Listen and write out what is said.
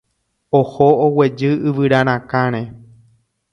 Oho oguejy yvyra rakãre